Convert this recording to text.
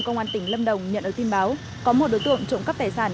công an tỉnh lâm đồng nhận được tin báo có một đối tượng trộm cắp tài sản